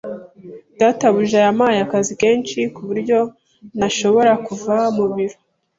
Databuja yampaye akazi kenshi ku buryo ntashobora kuva mu biro.